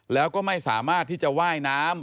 แล้วก็ไม่สามารถที่จะว่ายน้ำ